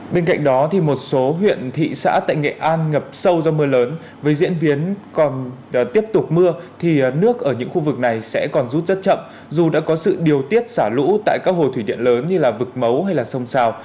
bên cạnh đó một số huyện thị xã tại nghệ an ngập sâu do mưa lớn với diễn biến còn tiếp tục mưa thì nước ở những khu vực này sẽ còn rút rất chậm dù đã có sự điều tiết xả lũ tại các hồ thủy điện lớn như vực mấu hay là sông xào